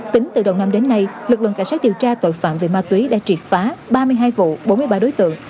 tính từ đầu năm đến nay lực lượng cảnh sát điều tra tội phạm về ma túy đã triệt phá ba mươi hai vụ bốn mươi ba đối tượng